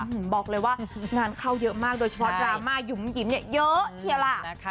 บอกเลยว่างานเข้าเยอะมากโดยเฉพาะดราม่าหยุ่มหยิมเนี่ยเยอะเชียวล่ะนะคะ